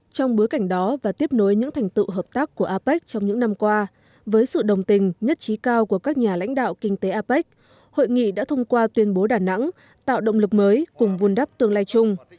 trong bối cảnh đó và tiếp nối những thành tựu hợp tác của apec trong những năm qua với sự đồng tình nhất trí cao của các nhà lãnh đạo kinh tế apec hội nghị đã thông qua tuyên bố đà nẵng tạo động lực mới cùng vun đắp tương lai chung